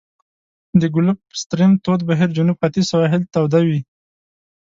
د ګلف ستریم تود بهیر جنوب ختیځ سواحل توده وي.